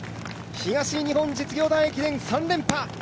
東日本実業団駅伝３連覇。